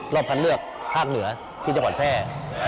ที่กีฬาภอดแพร่